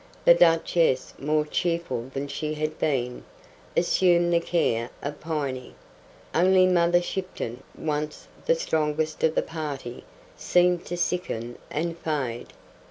The Duchess, more cheerful than she had been, assumed the care of Piney. Only Mother Shipton once the strongest of the party seemed to sicken and fade.